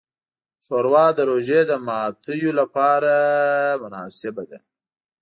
ښوروا د روژې د ماتیو لپاره مناسبه ده.